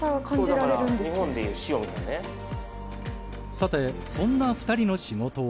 さてそんな２人の仕事は。